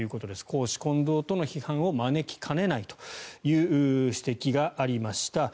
公私混同との批判を招きかねないという指摘がありました。